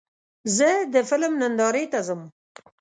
زه د فلم نندارې ته ځم.